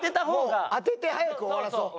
当てて早く終わらそう。